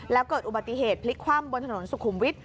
แล้วเกิดอุบัติเหตุพลิกคว่ำบนถนนสุขุมวิทย